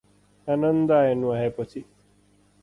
आनन्द आयो नुहाए पछि।